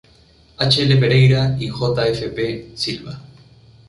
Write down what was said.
H. L. Pereira y J. F. P. Silva.